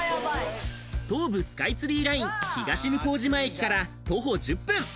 東武スカイツリーライン、東向島駅から徒歩１０分。